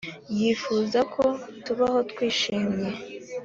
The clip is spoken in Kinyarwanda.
Yifuza ko tubaho twishimye